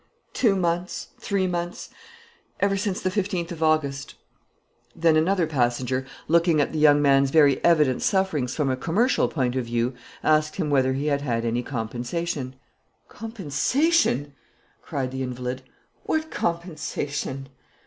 Two months, three months, ever since the 15th of August." Then another passenger, looking at the young man's very evident sufferings from a commercial point of view, asked him whether he had had any compensation. "Compensation!" cried the invalid. "What compensation?"